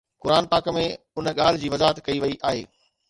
قرآن پاڪ ۾ ان ڳالهه جي وضاحت ڪئي وئي آهي